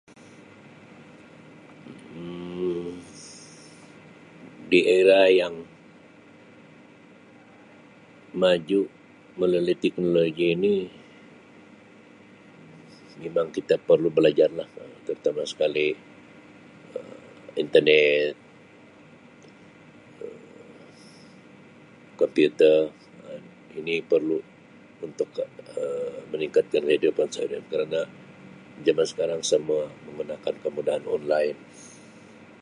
Um Di era yang maju melalui teknologi ini mimang kita perlu belajar lah Um terutama sekali Um internet Um komputer Um ini perlu untuk Um meningkatkan kehidupan seharian kerana jaman sekarang semua menggunakan kemudahan online.